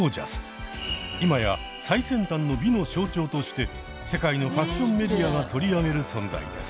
今や最先端の美の象徴として世界のファッションメディアが取り上げる存在です。